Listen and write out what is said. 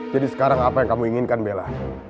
jadi sekarang apa yang kamu inginkan bella